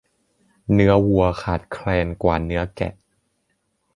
เนื้อวัวขาดแคลนกว่าเนื้อแกะ